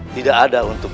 tidak ada untuk